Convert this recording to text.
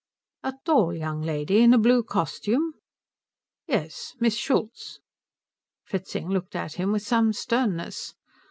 "A tall young lady in a blue costume?" "Yes. Miss Schultz." Fritzing looked at him with some sternness.